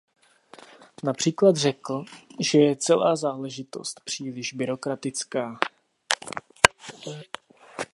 Například řekl, že je celá záležitost příliš byrokratická.